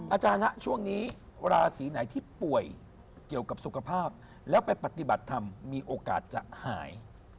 อาจารย์ฮะช่วงนี้ราศีไหนที่ป่วยเกี่ยวกับสุขภาพแล้วไปปฏิบัติธรรมมีโอกาสจะหาย